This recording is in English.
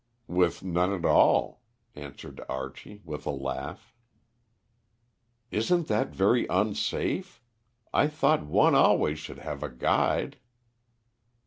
"With none at all," answered Archie, with a laugh. "Isn't that very unsafe? I thought one always should have a guide."